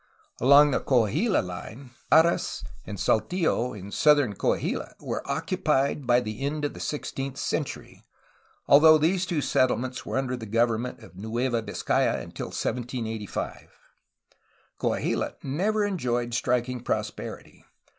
Along the Coahuila line Parras and Saltillo in southern Coahuila were occupied by the end of the sixteenth century, although these two settlements were under the government of Nueva Vizcaya until 1785. Coahuila never enjoyed striking prosperity.